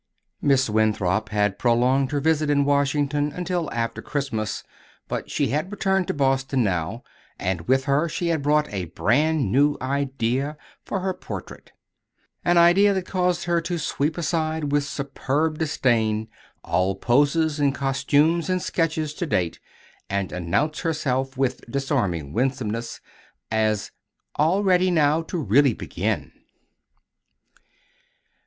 Miss Winthrop had prolonged her visit in Washington until after Christmas, but she had returned to Boston now and with her she had brought a brand new idea for her portrait; an idea that caused her to sweep aside with superb disdain all poses and costumes and sketches to date, and announce herself with disarming winsomeness as "all ready now to really begin!"